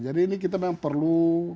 jadi ini kita memang perlu